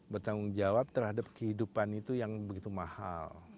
bertanggung jawab terhadap kehidupan itu yang begitu mahal